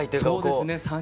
そうですね。